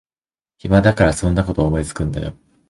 暇だからそんなこと思いつくんだよ